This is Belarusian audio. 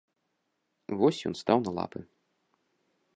Вось ён стаў на лапы.